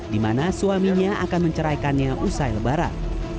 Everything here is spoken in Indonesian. di mana suaminya akan menceraikannya usai lebaran